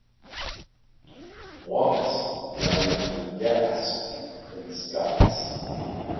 "Wasp" rhymes with "gasp" in Scots.